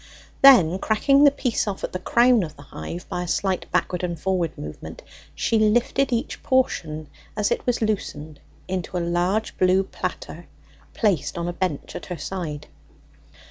Then cracking the piece off at the crown of the hive by a slight backward and forward movement, she lifted each portion as it was loosened into a large blue platter, placed on a bench at her side.